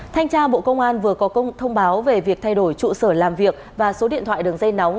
thanh tra bộ công an vừa có công báo về việc thay đổi trụ sở làm việc và số điện thoại đường dây nóng